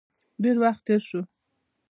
ډیر وخت تیر شو.